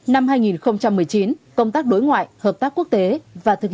năm hai nghìn một mươi chín công tác đối ngoại hợp tác quốc tế và thực